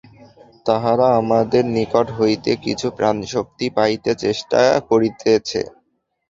তাহারা আমাদের নিকট হইতে কিছু প্রাণশক্তি পাইতে চেষ্টা করিতেছে।